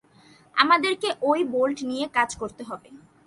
আমাদেরকে ওই বোল্ট নিয়ে কাজ করতে হবে।